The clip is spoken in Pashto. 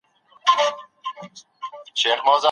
بازار او له مخکې چمتو شوي خواړه د وزن زیاتوالي یو لامل دی.